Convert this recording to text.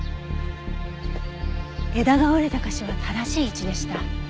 枝が折れた箇所は正しい位置でした。